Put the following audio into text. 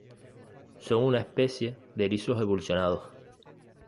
Son una especie de erizos evolucionados.